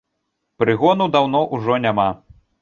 Прыгону даўно ўжо няма.